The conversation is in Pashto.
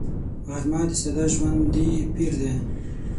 غرمه د ساده ژوندي پېر دی